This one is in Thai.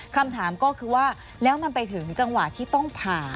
คำถามก็คือว่าแล้วมันไปถึงจังหวะที่ต้องผ่า